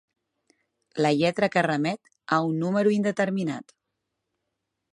La lletra que remet a un número indeterminat.